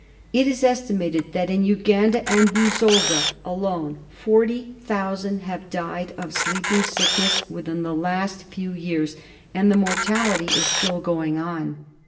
It is estimated that in Uganda and Busoga alone forty thousand have died of Sleeping Sickness within the last few years, and the mortality is still going on.